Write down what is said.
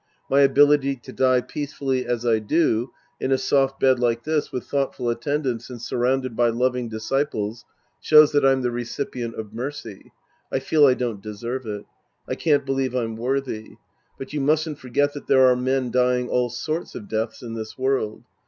My ability to die peacefully as I do, in a soft bed like this, with thoughtful attendance and surrounded by loving dis ciples, shows that I'm the recipient of mercy. I feel I don't deserve it. I can't believe I'm worthy. But you mustn't forget that there are men dying all sorts of deaths in this world.